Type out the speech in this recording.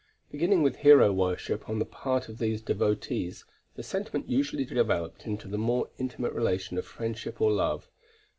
Beginning with hero worship on the part of these devotees, the sentiment usually developed into the more intimate relation of friendship or love.